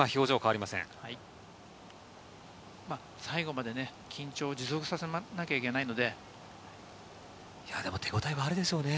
最後まで緊張を持続させなきでも手応えはあるでしょうね。